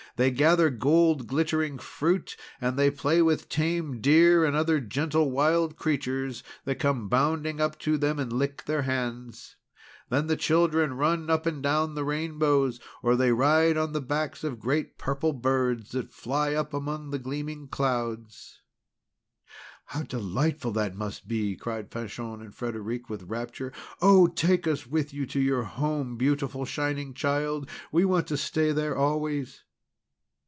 They gather gold glittering fruit, and they play with tame deer and other gentle wild creatures, that come bounding up to them and lick their hands. Then the children run up and down the rainbows; or they ride on the backs of great Purple Birds that fly up among the gleaming clouds. "How delightful that must be!" cried Fanchon and Frederic, with rapture. "Oh! take us with you to your home, beautiful Shining Child! We want to stay there always!"